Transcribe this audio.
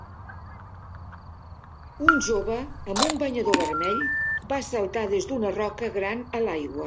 Un jove amb un banyador vermell va saltar des d'una roca gran a l'aigua.